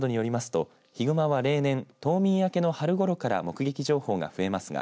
道警などによりますとヒグマは例年冬眠明けの春ごろから目撃情報が増えますが